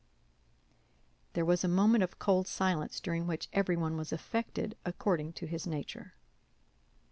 There was a moment of cold silence, during which everyone was affected according to his nature.